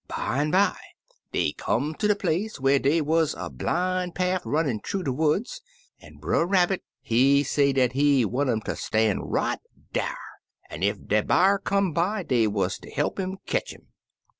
Bimeby dey come ter de place whar dey wuz a blin' paff runnin' thoo de woods, an' Brer Rabbit, he say dat he want um ter stan' right dar, an' ef de b'ar come by dey wuz ter he'p 'im ketch 'im.